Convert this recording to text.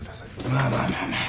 まあまあまあまあ。